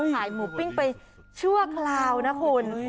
ขายหมูปิ้งไปชั่วคราวนะคุณ